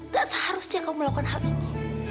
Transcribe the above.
tak seharusnya kamu melakukan hal ini